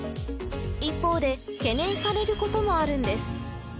一方で、懸念されることもあるんです。